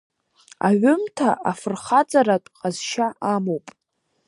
Аҩымҭа афырхаҵаратә ҟазшьа амоуп.